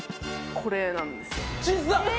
これなんですよ